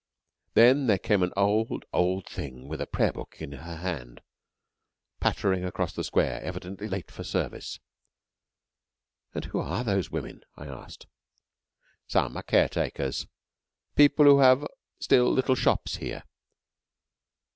Then there came an old, old thing with a prayer book in her hand, pattering across the square, evidently late for service. "And who are those women?" I asked. "Some are caretakers; people who have still little shops here.